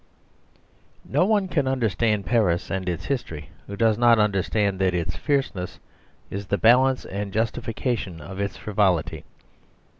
No one can understand Paris and its history who does not understand that its fierceness is the balance and justification of its frivolity.